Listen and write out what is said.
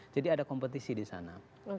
jadi ada kompetisi di sana